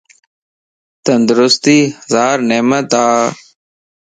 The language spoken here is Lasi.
تندرستي ھزار نعمت ا